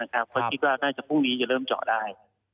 คยคิดว่าน่าจะพรุ่งนี้เริ่มจอได้